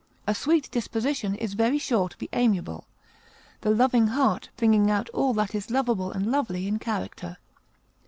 A sweet disposition is very sure to be amiable, the loving heart bringing out all that is lovable and lovely in character.